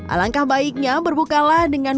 alangkah baiknya berbukalah dengan